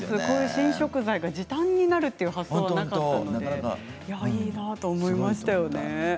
こういう新食材が時短になるという発想はなかったので、いいなと思いましたよね。